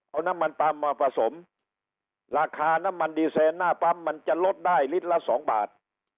เอาน้ำมันปั๊มมาผสมราคาน้ำมันดีเซนหน้าปั๊มมันจะลดได้ลิตรละสองบาท